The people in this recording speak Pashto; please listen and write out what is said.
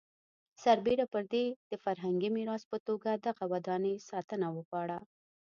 سربېره پر دې د فرهنګي میراث په توګه دغه ودانۍ ساتنه وغواړو.